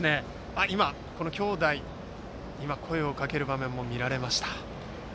今、兄弟で声をかける場面がありました。